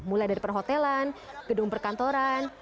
mulai dari perhotelan gedung perkantoran